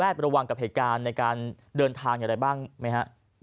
ระวังกับเหตุการณ์ในการเดินทางอย่างไรบ้างไหมฮะ